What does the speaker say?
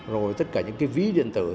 rồi tất cả những ví điện tử